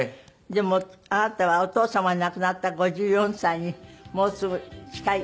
でもあなたはお父様が亡くなった５４歳にもうすぐ近い。